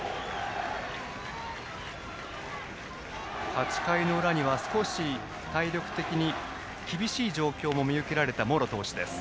８回の裏には少し体力的に厳しい状況も見受けられた茂呂投手です。